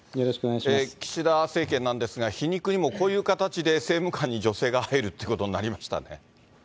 岸田政権なんですが、皮肉にもこういう形で政務官に女性が入るっていうことになりましたね。